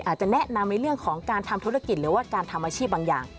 อาจจะแนะนำในเรื่องของการทำธุรกิจหรือว่าการทำอาชีพบางอย่าง